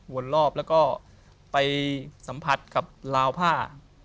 วนรอบแล้วก็ไปสัมผัสกับลาวผ้า